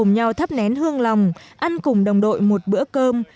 nhau thắp nén hương lòng ăn cùng đồng đội một bữa cơm